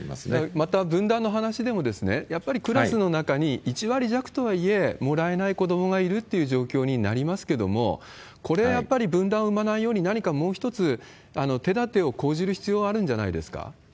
また分断の話でも、やっぱりクラスの中に１割弱とはいえ、もらえない子どもがいるっていう状況になりますけれども、これ、やっぱり分断を生まないように、何かもう一つ、手だてを講じる必要があるんじゃないですか。